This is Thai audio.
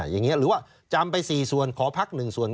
อย่างนี้หรือว่าจำไป๔ส่วนขอพัก๑ส่วน